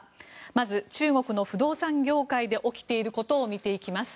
まず、中国の不動産業界で起きていることを見ていきます。